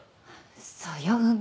そうよ梅。